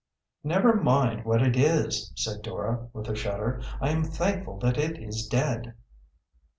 "Never mind what it is," said Dora, with a shudder. "I am thankful that it is dead."